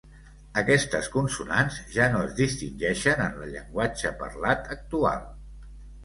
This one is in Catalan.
Aquestes consonants ja no es distingeixen en la llenguatge parlat actual.